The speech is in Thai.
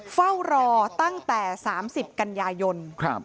เฝ้ารอตั้งแต่๓๐กันยายน